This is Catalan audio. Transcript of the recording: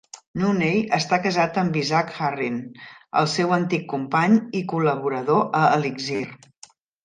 Noonan està casat amb Isaac Hurren, el seu antic company i col·laborador a Elixir.